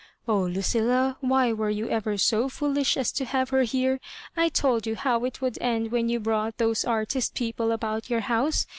Oh, LuQ^lla^ why were you ever so foolish as to have her here ? I told you how it would end when you brought those artist people about your house.